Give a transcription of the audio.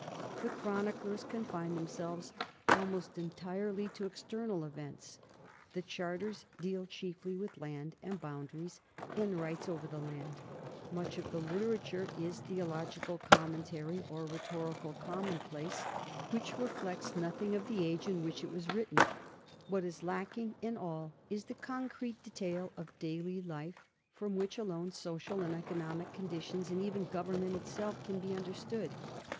The chroniclers confine them selves almost entirely to external events, the charters deal chiefly with land and boundaries and rights over the land, much of the literature is theological commen tary or rhetorical commonplace which reflects nothing of the age in which it was written ; what is lacking in all is the concrete detail of daily life from which alone social and economic conditions and even government itself can be understood.